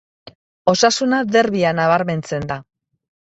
Osasuna derbia nabarmentzen da.